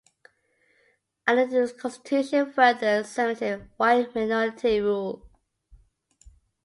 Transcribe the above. A new constitution further cemented White minority rule.